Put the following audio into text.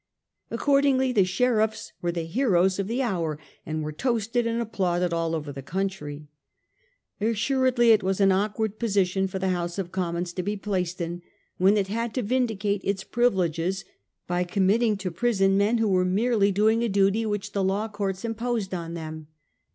Accordingly the sheriffs were the heroes of the hour, and were toasted and applauded all over the country. As suredly it was an awkward position for the House of Commons to be placed in when it had to vindicate its privileges by committing to prison men who were von. i. o 194 A HIS TORY OF OUR OWN TIMES. eir. is. merely doing a duty which the law courts imposed on them.